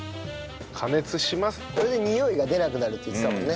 これでにおいが出なくなるって言ってたもんね。